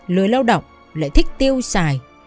lưới lao động lợi thích tiêu xài